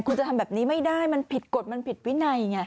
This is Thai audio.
คุณจะทำแบบนี้ไม่ได้มันผิดกฎมันผิดวินัยไง